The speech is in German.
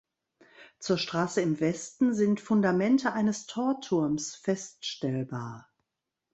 Zur Straße im Westen sind Fundamente eines Torturms feststellbar.